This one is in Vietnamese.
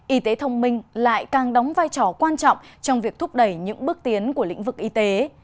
y tế thông minh lại càng đóng vai trò quan trọng trong việc thúc đẩy những bước tiến của lĩnh vực y tế